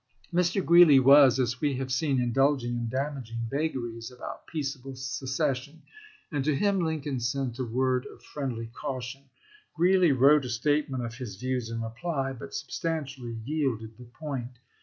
Mr. Greeley was, as we have seen, indulging in damaging vagaries about peaceable secession, and to him Lincoln sent a word of friendly caution. Greeley wrote a statement of his views in reply, but substantially yielded the point.